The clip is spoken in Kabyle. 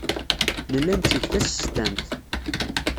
Nella netteg tasestant.